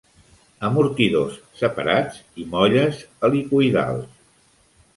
Amortidors separats i molles helicoïdals.